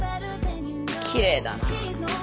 きれいだな。